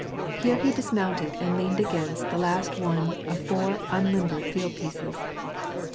Here he dismounted and leaned against the last one of four unlimbered field pieces.